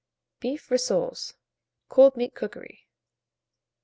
BEEF RISSOLES (Cold Meat Cookery).